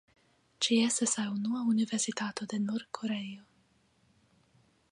Ĝi estas la unua universitato de Nord-Koreio.